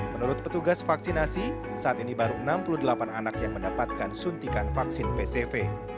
menurut petugas vaksinasi saat ini baru enam puluh delapan anak yang mendapatkan suntikan vaksin pcv